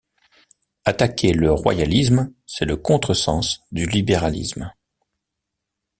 Attaquer le royalisme, c’est le contre-sens du libéralisme.